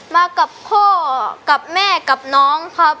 มากับพ่อกับแม่กับน้องครับ